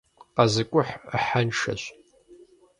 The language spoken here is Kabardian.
КъэзыкӀухь Ӏыхьэншэщ.